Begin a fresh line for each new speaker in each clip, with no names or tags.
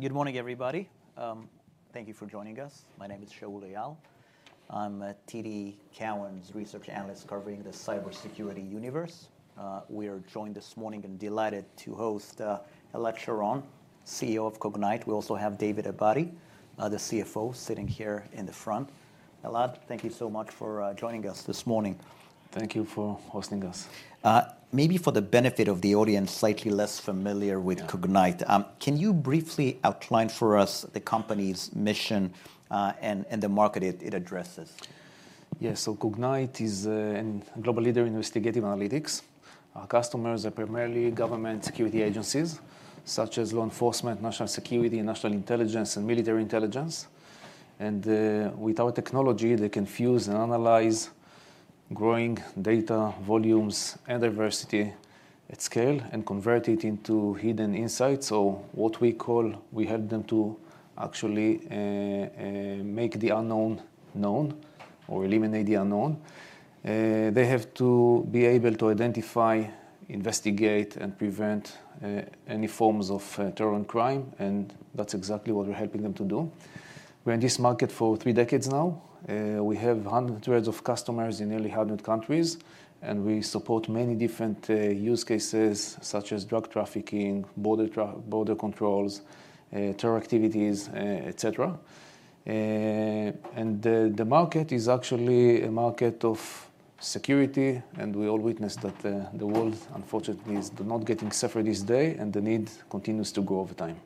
Good morning, everybody. Thank you for joining us. My name is Shaul Leal. I'm TD Cowen's research analyst covering the cybersecurity universe. We are joined this morning and delighted to host Elad Sharon, CEO of Cognyte. We also have David Abadi, the CFO, sitting here in the front. Elad, thank you so much for joining us this morning.
Thank you for hosting us.
Maybe for the benefit of the audience slightly less familiar with Cognyte, can you briefly outline for us the company's mission and the market it addresses?
Yes. Cognyte is a global leader in investigative analytics. Our customers are primarily government security agencies, such as law enforcement, national security, national intelligence, and military intelligence. With our technology, they can fuse and analyze growing data volumes and diversity at scale and convert it into hidden insights. What we call, we help them to actually make the unknown known or eliminate the unknown. They have to be able to identify, investigate, and prevent any forms of terror and crime. That's exactly what we're helping them to do. We're in this market for three decades now. We have hundreds of customers in nearly 100 countries. We support many different use cases, such as drug trafficking, border controls, terror activities, et cetera. The market is actually a market of security. We all witnessed that the world, unfortunately, is not getting safer this day. The need continues to grow over time.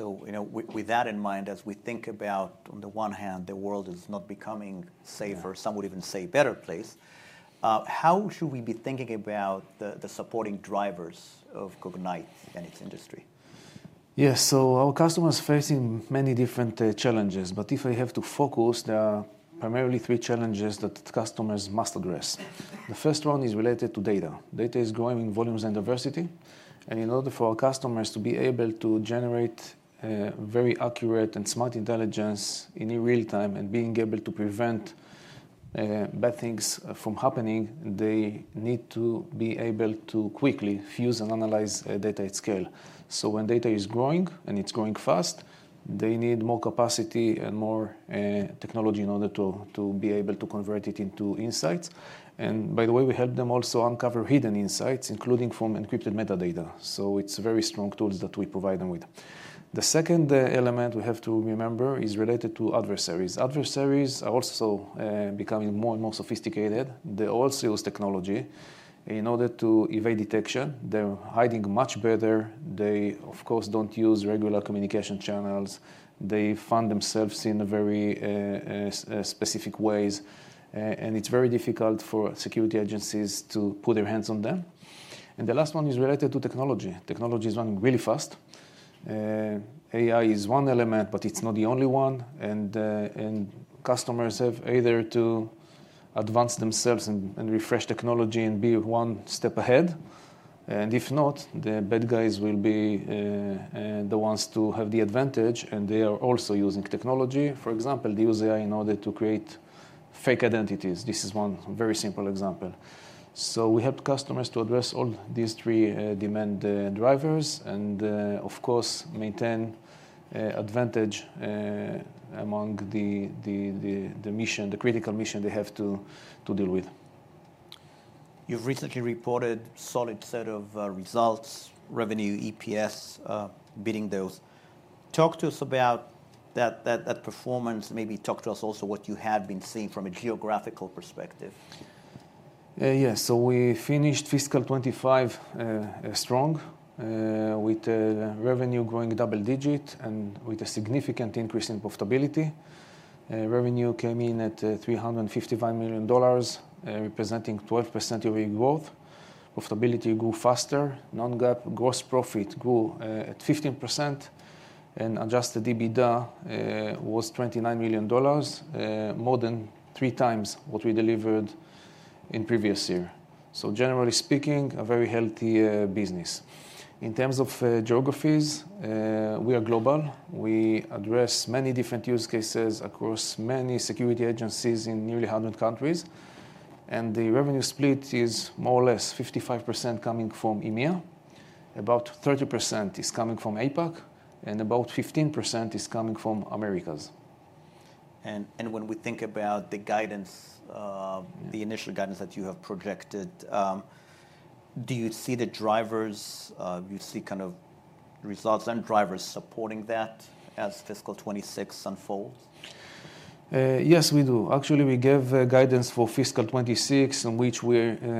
With that in mind, as we think about, on the one hand, the world is not becoming safer, some would even say better place, how should we be thinking about the supporting drivers of Cognyte and its industry?
Yes. Our customers are facing many different challenges. If I have to focus, there are primarily three challenges that customers must address. The first one is related to data. Data is growing in volumes and diversity. In order for our customers to be able to generate very accurate and smart intelligence in real time and be able to prevent bad things from happening, they need to be able to quickly fuse and analyze data at scale. When data is growing and it's growing fast, they need more capacity and more technology in order to be able to convert it into insights. By the way, we help them also uncover hidden insights, including from encrypted metadata. It's very strong tools that we provide them with. The second element we have to remember is related to adversaries. Adversaries are also becoming more and more sophisticated. They also use technology. In order to evade detection, they're hiding much better. They, of course, don't use regular communication channels. They find themselves in very specific ways. It's very difficult for security agencies to put their hands on them. The last one is related to technology. Technology is running really fast. AI is one element, but it's not the only one. Customers have either to advance themselves and refresh technology and be one step ahead. If not, the bad guys will be the ones to have the advantage. They are also using technology. For example, they use AI in order to create fake identities. This is one very simple example. We help customers to address all these three demand drivers and, of course, maintain advantage among the mission, the critical mission they have to deal with.
You've recently reported a solid set of results, revenue, EPS, beating those. Talk to us about that performance. Maybe talk to us also what you have been seeing from a geographical perspective.
Yes. We finished fiscal 25 strong, with revenue growing double digit and with a significant increase in profitability. Revenue came in at $355 million, representing 12% of our growth. Profitability grew faster. Non-GAAP gross profit grew at 15%. Adjusted EBITDA was $29 million, more than three times what we delivered in the previous year. Generally speaking, a very healthy business. In terms of geographies, we are global. We address many different use cases across many security agencies in nearly 100 countries. The revenue split is more or less 55% coming from EMEA, about 30% is coming from APAC, and about 15% is coming from Americas.
When we think about the initial guidance that you have projected, do you see the drivers, you see kind of results and drivers supporting that as fiscal 26 unfolds?
Yes, we do. Actually, we gave guidance for fiscal 26, in which we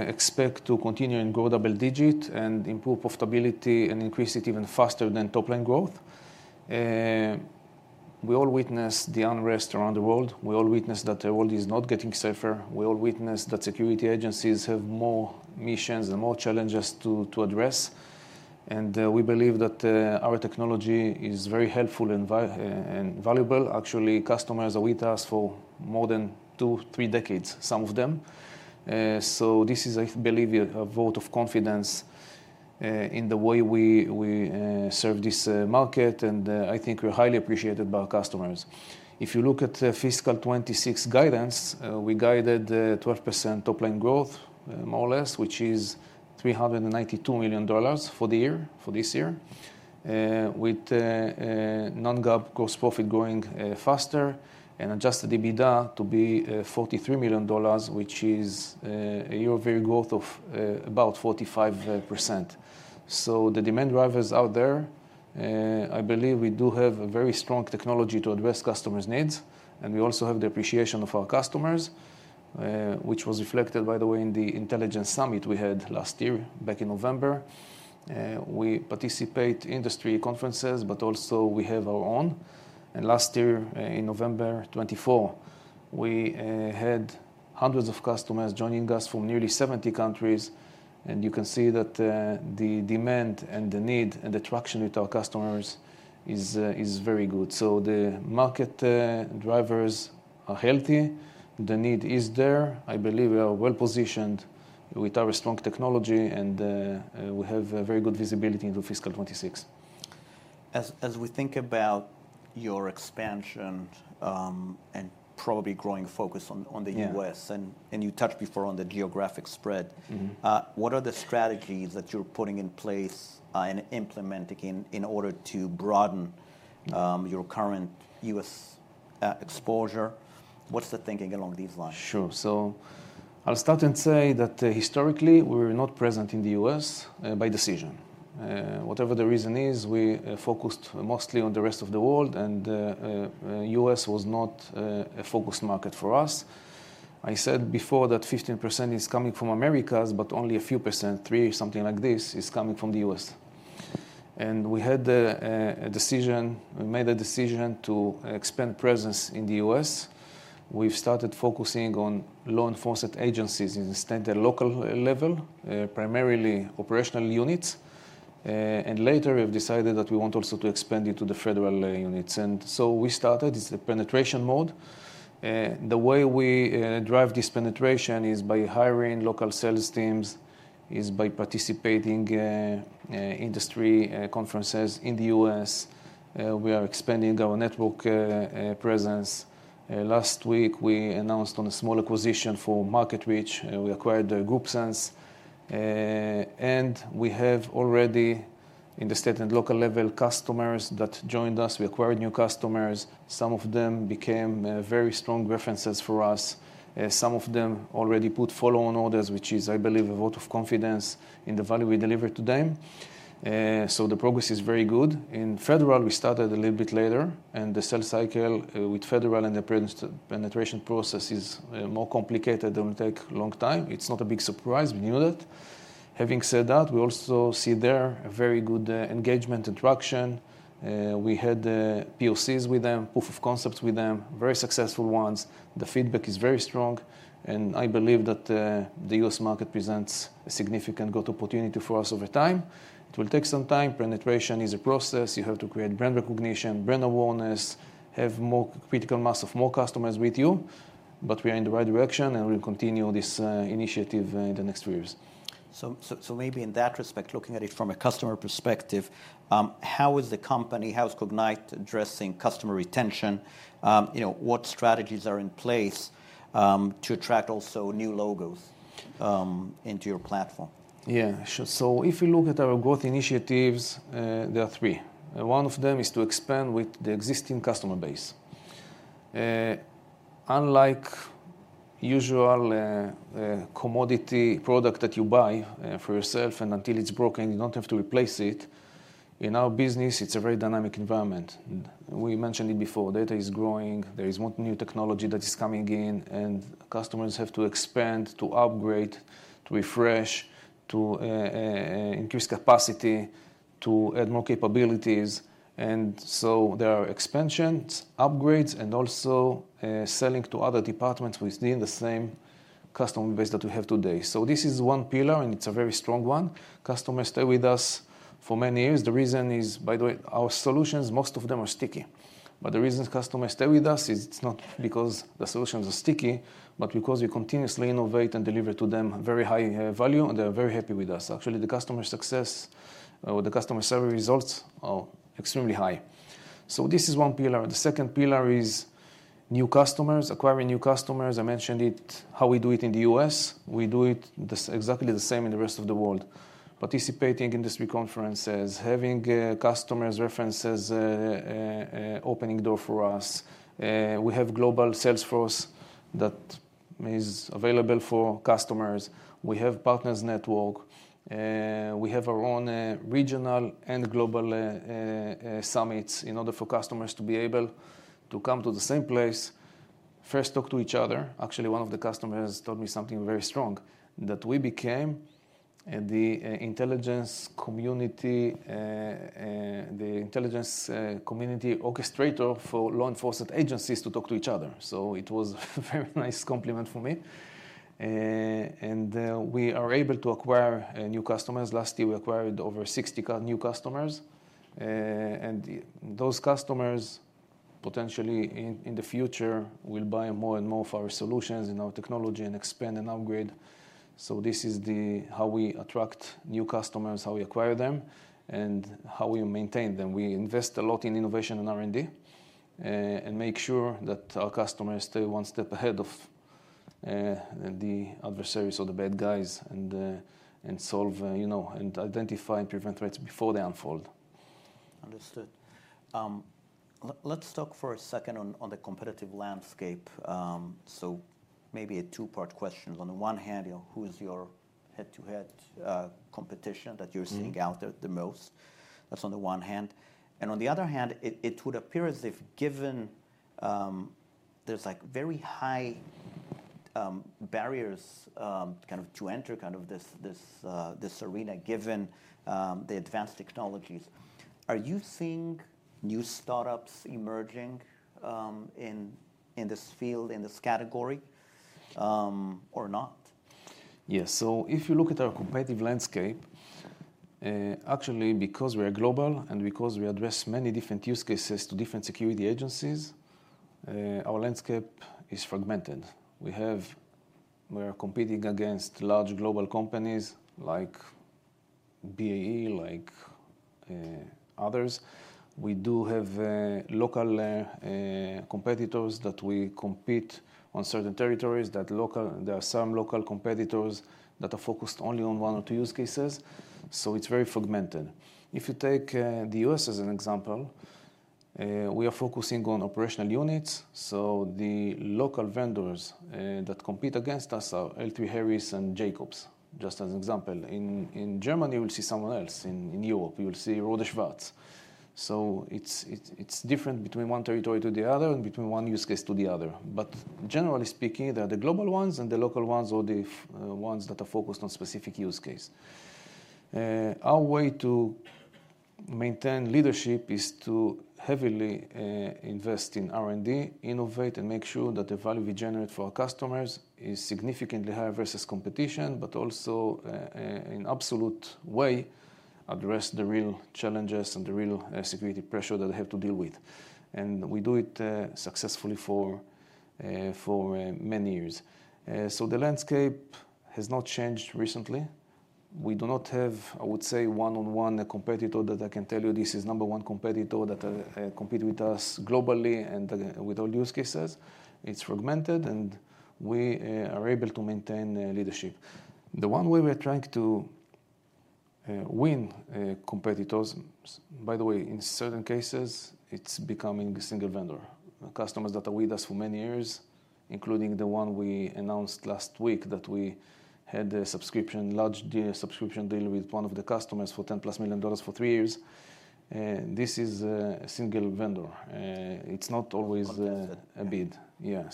expect to continue and grow double digit and improve profitability and increase it even faster than top-line growth. We all witnessed the unrest around the world. We all witnessed that the world is not getting safer. We all witnessed that security agencies have more missions and more challenges to address. We believe that our technology is very helpful and valuable. Actually, customers are with us for more than two, three decades, some of them. This is, I believe, a vote of confidence in the way we serve this market. I think we're highly appreciated by our customers. If you look at fiscal 2026 guidance, we guided 12% top-line growth, more or less, which is $392 million for the year, for this year, with Non-GAAP gross profit growing faster and adjusted EBITDA to be $43 million, which is a Year-over-Year growth of about 45%. The demand drivers out there, I believe we do have a very strong technology to address customers' needs. We also have the appreciation of our customers, which was reflected, by the way, in the Intelligence Summit we had last year back in November. We participate in industry conferences, but also we have our own. Last year in November 24, we had hundreds of customers joining us from nearly 70 countries. You can see that the demand and the need and the traction with our customers is very good. The market drivers are healthy. The need is there. I believe we are well positioned with our strong technology. We have very good visibility into fiscal 26.
As we think about your expansion and probably growing focus on the U.S., and you touched before on the geographic spread, what are the strategies that you're putting in place and implementing in order to broaden your current U.S. exposure? What's the thinking along these lines?
Sure. I'll start and say that historically, we were not present in the U.S. by decision. Whatever the reason is, we focused mostly on the rest of the world. The U.S. was not a focus market for us. I said before that 15% is coming from Americas, but only a few percent, 3%, something like this, is coming from the U.S. We had a decision. We made a decision to expand presence in the U.S. We've started focusing on law enforcement agencies instead at the local level, primarily operational units. Later, we've decided that we want also to expand into the federal units. We started. It's the penetration mode. The way we drive this penetration is by hiring local sales teams, by participating in industry conferences in the U.S. We are expanding our network presence. Last week, we announced a small acquisition for market reach. We acquired GroupSense. And we have already in the state and local level customers that joined us. We acquired new customers. Some of them became very strong references for us. Some of them already put follow-on orders, which is, I believe, a vote of confidence in the value we deliver to them. The progress is very good. In federal, we started a little bit later. The sales cycle with federal and the penetration process is more complicated and will take a long time. It's not a big surprise. We knew that. Having said that, we also see there a very good engagement and traction. We had POCs with them, proof of concepts with them, very successful ones. The feedback is very strong. I believe that the US market presents a significant growth opportunity for us over time. It will take some time. Penetration is a process. You have to create brand recognition, brand awareness, have more critical mass of more customers with you. We are in the right direction. We'll continue this initiative in the next few years.
Maybe in that respect, looking at it from a customer perspective, how is the company, how is Cognyte addressing customer retention? What strategies are in place to attract also new logos into your platform?
Yeah. If you look at our growth initiatives, there are three. One of them is to expand with the existing customer base. Unlike a usual commodity product that you buy for yourself, and until it's broken, you don't have to replace it. In our business, it's a very dynamic environment. We mentioned it before. Data is growing. There is more new technology that is coming in. Customers have to expand, to upgrade, to refresh, to increase capacity, to add more capabilities. There are expansions, upgrades, and also selling to other departments within the same customer base that we have today. This is one pillar. It's a very strong one. Customers stay with us for many years. The reason is, by the way, our solutions, most of them are sticky. The reason customers stay with us is it's not because the solutions are sticky, but because we continuously innovate and deliver to them very high value. They are very happy with us. Actually, the customer success or the customer survey results are extremely high. This is one pillar. The second pillar is new customers, acquiring new customers. I mentioned it, how we do it in the U.S. We do it exactly the same in the rest of the world, participating in industry conferences, having customers' references, opening doors for us. We have global Salesforce that is available for customers. We have partners' network. We have our own regional and global summits in order for customers to be able to come to the same place, first talk to each other. Actually, one of the customers told me something very strong, that we became the intelligence community, the intelligence community orchestrator for law enforcement agencies to talk to each other. It was a very nice compliment for me. We are able to acquire new customers. Last year, we acquired over 60 new customers. Those customers, potentially in the future, will buy more and more of our solutions and our technology and expand and upgrade. This is how we attract new customers, how we acquire them, and how we maintain them. We invest a lot in innovation and R&D and make sure that our customers stay one step ahead of the adversaries or the bad guys and solve and identify and prevent threats before they unfold.
Understood. Let's talk for a second on the competitive landscape. Maybe a two-part question. On the one hand, who is your head-to-head competition that you're seeing out there the most? That's on the one hand. On the other hand, it would appear as if given there's very high barriers kind of to enter kind of this arena, given the advanced technologies. Are you seeing new startups emerging in this field, in this category, or not?
Yes. If you look at our competitive landscape, actually, because we are global and because we address many different use cases to different security agencies, our landscape is fragmented. We are competing against large global companies like BAE, like others. We do have local competitors that we compete on certain territories. There are some local competitors that are focused only on one or two use cases. It is very fragmented. If you take the U.S. as an example, we are focusing on operational units. The local vendors that compete against us are L3Harris and Jacobs, just as an example. In Germany, you will see someone else. In Europe, you will see Rohde & Schwarz. It is different between one territory to the other and between one use case to the other. Generally speaking, there are the global ones and the local ones or the ones that are focused on specific use case. Our way to maintain leadership is to heavily invest in R&D, innovate, and make sure that the value we generate for our customers is significantly higher versus competition, but also in absolute way address the real challenges and the real security pressure that they have to deal with. We do it successfully for many years. The landscape has not changed recently. We do not have, I would say, one-on-one competitor that I can tell you this is number one competitor that competes with us globally and with all use cases. It's fragmented. We are able to maintain leadership. The one way we're trying to win competitors, by the way, in certain cases, it's becoming a single vendor. Customers that are with us for many years, including the one we announced last week that we had a large subscription deal with one of the customers for $10 million-plus for three years. This is a single vendor. It's not always a bid. Yeah.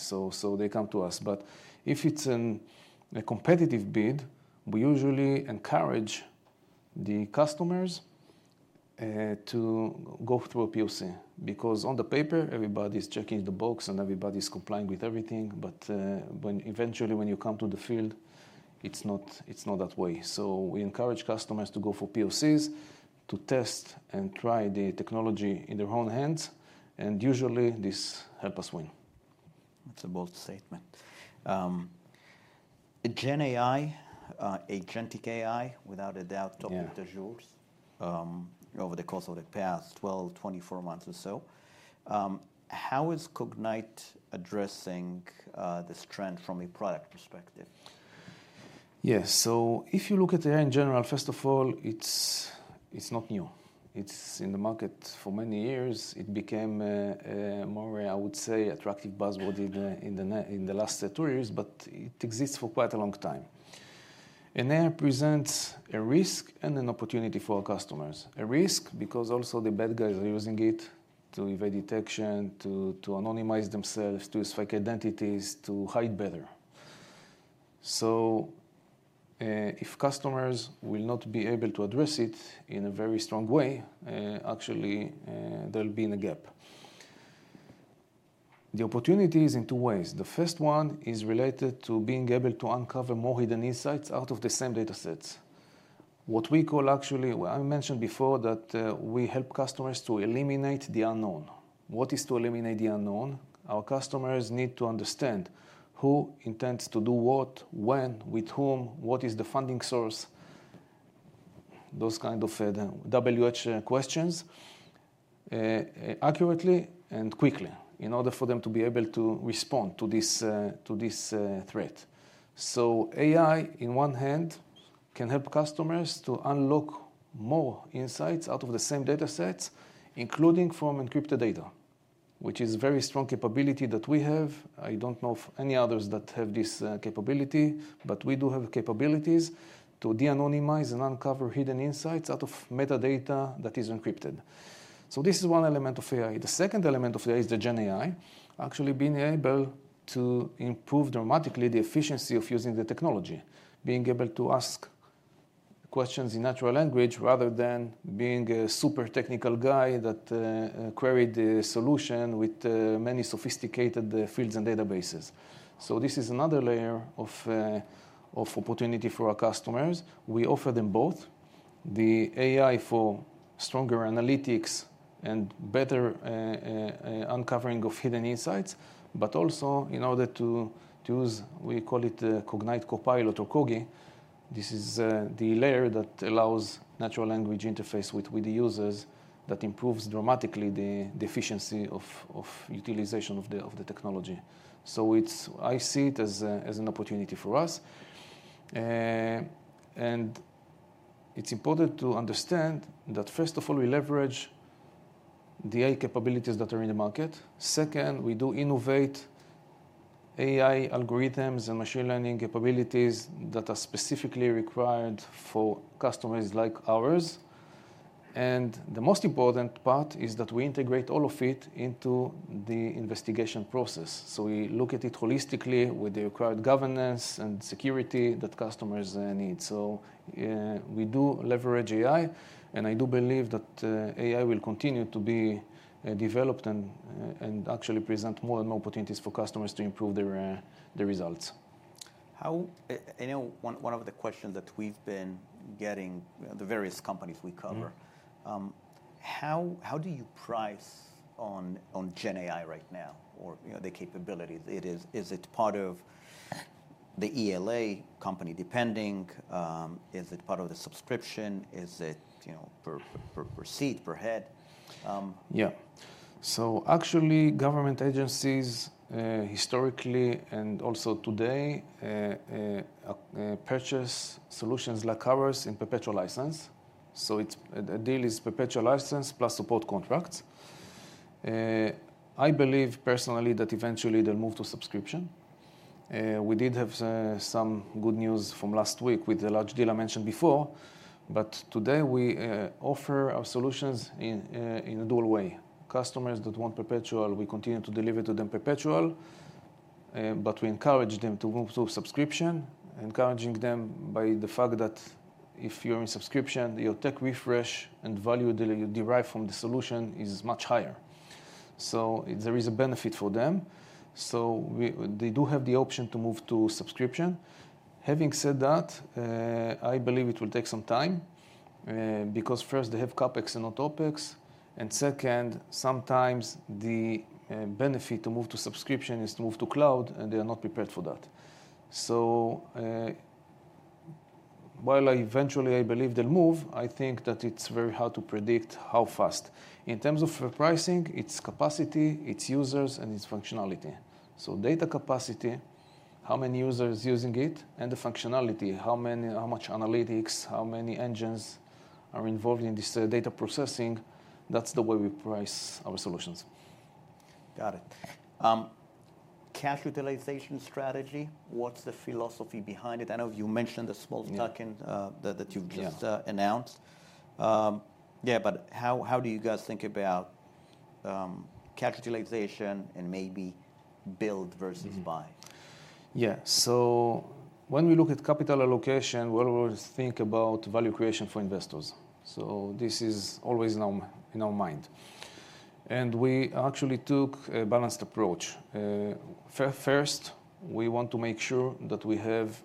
They come to us. If it's a competitive bid, we usually encourage the customers to go through a POC because on the paper, everybody's checking the box and everybody's complying with everything. Eventually, when you come to the field, it's not that way. We encourage customers to go for POCs, to test and try the technology in their own hands. Usually, this helps us win.
That's a bold statement. Gen AI, agentic AI, without a doubt, top of the jour over the course of the past 12, 24 months or so. How is Cognyte addressing the strength from a product perspective?
Yes. If you look at AI in general, first of all, it's not new. It's in the market for many years. It became more a, I would say, attractive buzzword in the last two years. It exists for quite a long time. AI presents a risk and an opportunity for our customers, a risk because also the bad guys are using it to evade detection, to anonymize themselves, to spike identities, to hide better. If customers will not be able to address it in a very strong way, actually, there will be a gap. The opportunity is in two ways. The first one is related to being able to uncover more hidden insights out of the same data sets. What we call actually, I mentioned before that we help customers to eliminate the unknown. What is to eliminate the unknown? Our customers need to understand who intends to do what, when, with whom, what is the funding source, those kind of WH questions accurately and quickly in order for them to be able to respond to this threat. AI, on one hand, can help customers to unlock more insights out of the same data sets, including from encrypted data, which is a very strong capability that we have. I do not know of any others that have this capability. We do have capabilities to de-anonymize and uncover hidden insights out of metadata that is encrypted. This is one element of AI. The second element of AI is the Gen AI, actually being able to improve dramatically the efficiency of using the technology, being able to ask questions in natural language rather than being a super technical guy that queried the solution with many sophisticated fields and databases. This is another layer of opportunity for our customers. We offer them both the AI for stronger analytics and better uncovering of hidden insights. Also, in order to use, we call it Cognyte Copilot or COGI. This is the layer that allows natural language interface with the users that improves dramatically the efficiency of utilization of the technology. I see it as an opportunity for us. It is important to understand that, first of all, we leverage the AI capabilities that are in the market. Second, we do innovate AI algorithms and machine learning capabilities that are specifically required for customers like ours. The most important part is that we integrate all of it into the investigation process. We look at it holistically with the required governance and security that customers need. We do leverage AI. I do believe that AI will continue to be developed and actually present more and more opportunities for customers to improve their results.
I know one of the questions that we've been getting, the various companies we cover, how do you price on Gen AI right now or the capabilities? Is it part of the ELA company depending? Is it part of the subscription? Is it per seat, per head?
Yeah. So actually, government agencies historically and also today purchase solutions like ours in perpetual license. So a deal is perpetual license plus support contracts. I believe personally that eventually they'll move to subscription. We did have some good news from last week with the large deal I mentioned before. Today, we offer our solutions in a dual way. Customers that want perpetual, we continue to deliver to them perpetual. We encourage them to move to subscription, encouraging them by the fact that if you're in subscription, your tech refresh and value that you derive from the solution is much higher. There is a benefit for them. They do have the option to move to subscription. Having said that, I believe it will take some time because first, they have CapEx and not OpEx. Sometimes the benefit to move to subscription is to move to cloud. They are not prepared for that. While eventually, I believe they'll move, I think that it's very hard to predict how fast. In terms of pricing, it's capacity, its users, and its functionality. Data capacity, how many users are using it, and the functionality, how much analytics, how many engines are involved in this data processing, that's the way we price our solutions.
Got it. Cash utilization strategy, what's the philosophy behind it? I know you mentioned the small stock that you've just announced. Yeah. How do you guys think about cash utilization and maybe build versus buy?
Yeah. When we look at capital allocation, we always think about value creation for investors. This is always in our mind. We actually took a balanced approach. First, we want to make sure that we have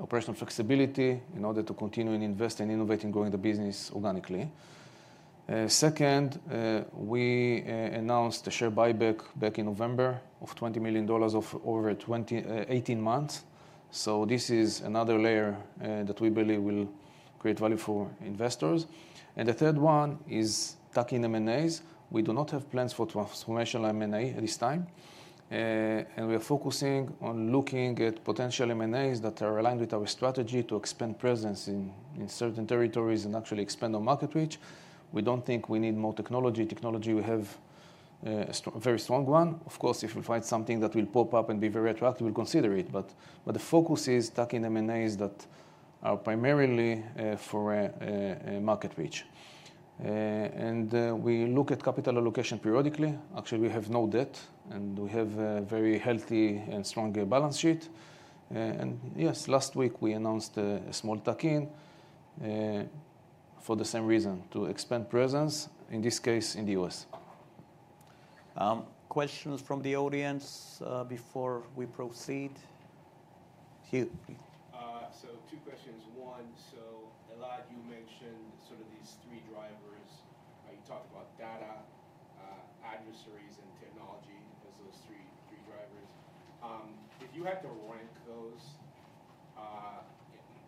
operational flexibility in order to continue and invest and innovate and grow the business organically. Second, we announced a share buyback back in November of $20 million over 18 months. This is another layer that we believe will create value for investors. The third one is tacking M&As. We do not have plans for transformational M&A at this time. We are focusing on looking at potential M&As that are aligned with our strategy to expand presence in certain territories and actually expand our market reach. We do not think we need more technology. Technology, we have a very strong one. Of course, if we find something that will pop up and be very attractive, we'll consider it. The focus is tacking M&As that are primarily for market reach. We look at capital allocation periodically. Actually, we have no debt. We have a very healthy and strong balance sheet. Yes, last week, we announced a small tacking for the same reason, to expand presence, in this case, in the US.
Questions from the audience before we proceed? Hugh, please. Two questions. One, Elad, you mentioned sort of these three drivers. You talked about data, adversaries, and technology as those three drivers. If you had to rank those,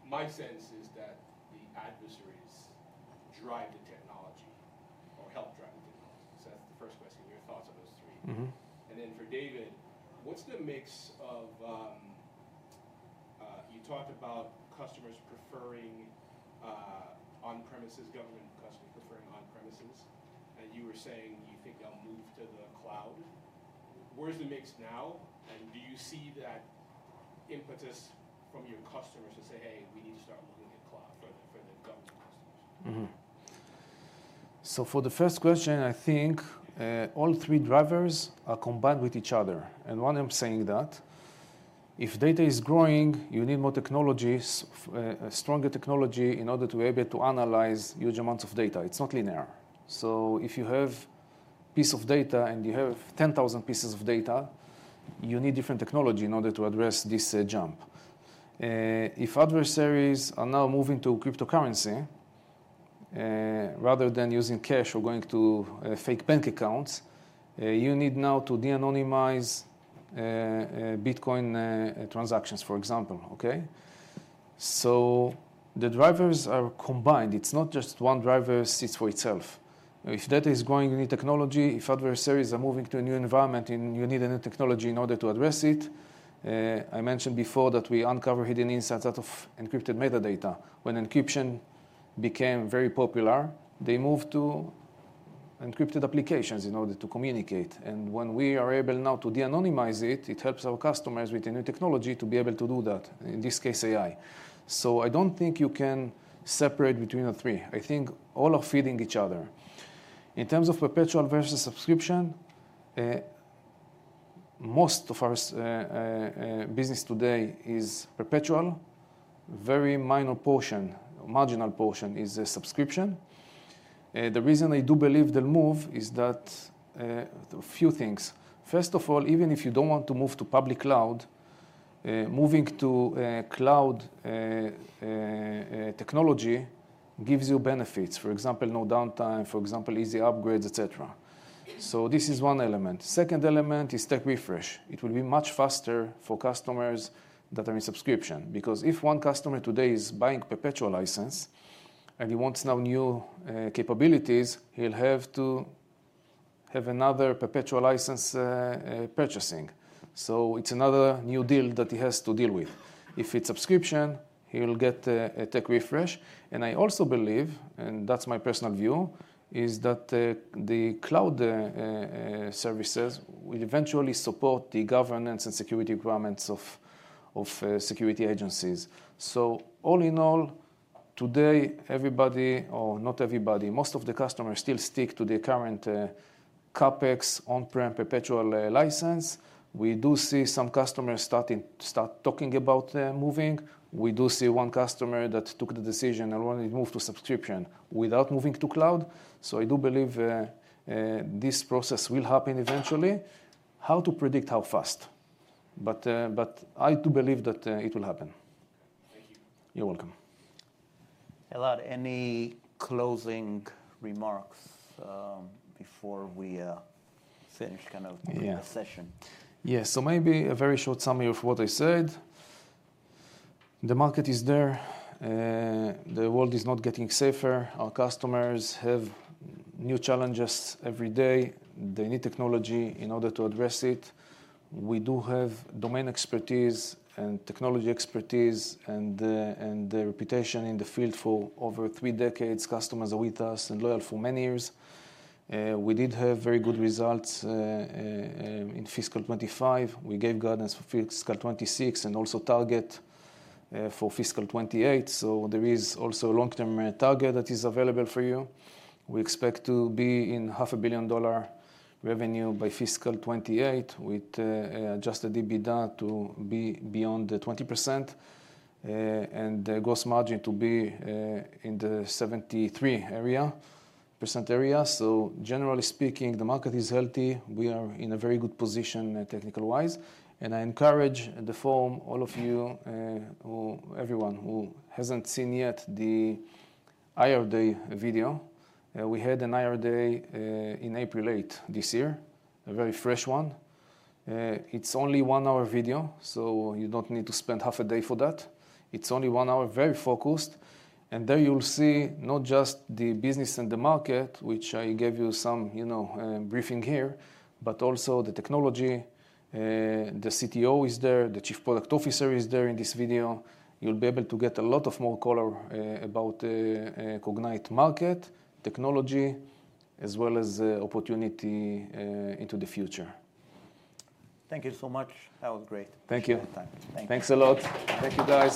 my sense is that the adversaries drive the technology or help drive the technology. That is the first question, your thoughts on those three. For David, what is the mix of, you talked about customers preferring on-premises, government customers preferring on-premises. You were saying you think they will move to the cloud. Where is the mix now? Do you see that impetus from your customers to say, hey, we need to start looking at cloud for the government customers?
For the first question, I think all three drivers are combined with each other. And why I'm saying that? If data is growing, you need more technologies, stronger technology in order to be able to analyze huge amounts of data. It's not linear. If you have a piece of data and you have 10,000 pieces of data, you need different technology in order to address this jump. If adversaries are now moving to cryptocurrency rather than using cash or going to fake bank accounts, you need now to de-anonymize Bitcoin transactions, for example. The drivers are combined. It's not just one driver sits for itself. If data is growing, you need technology. If adversaries are moving to a new environment, you need a new technology in order to address it. I mentioned before that we uncover hidden insights out of encrypted metadata. When encryption became very popular, they moved to encrypted applications in order to communicate. When we are able now to de-anonymize it, it helps our customers with the new technology to be able to do that, in this case, AI. I do not think you can separate between the three. I think all are feeding each other. In terms of perpetual versus subscription, most of our business today is perpetual. Very minor portion, marginal portion, is subscription. The reason I do believe they will move is a few things. First of all, even if you do not want to move to public cloud, moving to cloud technology gives you benefits, for example, no downtime, for example, easy upgrades, et cetera. This is one element. Second element is tech refresh. It will be much faster for customers that are in subscription. Because if one customer today is buying perpetual license and he wants now new capabilities, he'll have to have another perpetual license purchasing. So it's another new deal that he has to deal with. If it's subscription, he'll get a tech refresh. I also believe, and that's my personal view, that the cloud services will eventually support the governance and security requirements of security agencies. All in all, today, everybody, or not everybody, most of the customers still stick to the current CapEx on-prem perpetual license. We do see some customers start talking about moving. We do see one customer that took the decision and wanted to move to subscription without moving to cloud. I do believe this process will happen eventually. How to predict how fast? I do believe that it will happen. Thank you. You're welcome.
Elad, any closing remarks before we finish kind of the session?
Yeah. Maybe a very short summary of what I said. The market is there. The world is not getting safer. Our customers have new challenges every day. They need technology in order to address it. We do have domain expertise and technology expertise and reputation in the field for over three decades. Customers are with us and loyal for many years. We did have very good results in fiscal 25. We gave guidance for fiscal 26 and also target for fiscal 28. There is also a long-term target that is available for you. We expect to be in $500,000,000 revenue by fiscal 28 with adjusted EBITDA to be beyond 20% and gross margin to be in the 73% area. Generally speaking, the market is healthy. We are in a very good position technical-wise. I encourage the forum, all of you, everyone who hasn't seen yet the IR Day video. We had an IR Day on April 8 this year, a very fresh one. It's only a one-hour video. You don't need to spend half a day for that. It's only one hour, very focused. There you'll see not just the business and the market, which I gave you some briefing here, but also the technology. The CTO is there. The Chief Product Officer is there in this video. You'll be able to get a lot more color about Cognyte market, technology, as well as opportunity into the future. Thank you so much. That was great. Thank you.
Thanks a lot. Thank you, guys.